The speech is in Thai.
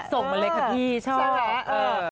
ส่งมาเลยฮะพิชอบ